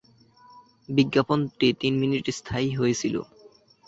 বিজ্ঞাপনটি তিন মিনিট স্থায়ী হয়েছিল।